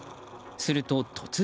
すると突然。